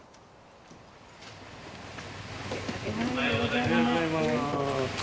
おはようございます。